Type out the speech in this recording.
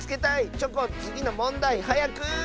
チョコンつぎのもんだいはやく！